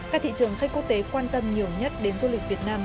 các thị trường khách quốc tế quan tâm nhiều nhất đến du lịch việt nam